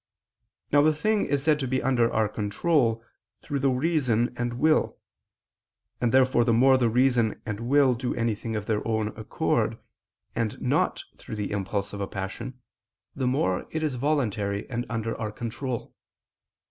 Now a thing is said to be under our control, through the reason and will: and therefore the more the reason and will do anything of their own accord, and not through the impulse of a passion, the more is it voluntary and under our control.